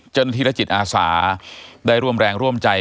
จนที่ละจิตอาสาได้ร่วมแรงร่วมใจ